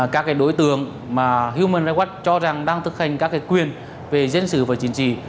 các đối tượng mà human re wad cho rằng đang thực hành các quyền về dân sự và chính trị